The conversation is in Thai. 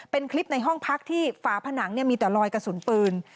เป็นคลิปในห้องพักที่ฝาผนังมีแต่รอยกระสุนปืน